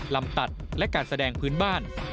ลำตัดและการแสดงพื้นบ้าน